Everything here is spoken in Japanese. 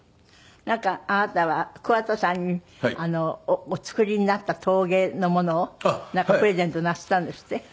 なんかあなたは桑田さんにお作りになった陶芸のものをプレゼントなすったんですって？